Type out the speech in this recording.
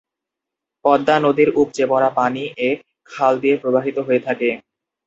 পদ্মা নদীর উপচে পড়া পানি এ খাল দিয়ে প্রবাহিত হয়ে থাকে।